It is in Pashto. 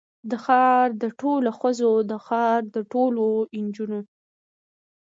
د ښار د ټولو ښځو، د ښار د ټولو نجونو